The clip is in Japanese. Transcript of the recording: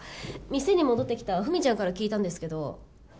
店に戻ってきた富美ちゃんから聞いたんですけど。